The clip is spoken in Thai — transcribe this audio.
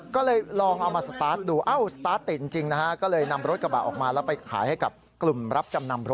ก็เลยลองเอามาสตาร์ทดูสตาร์ทติดจริงนะครับ